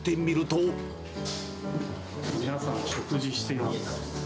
皆さん、食事しています。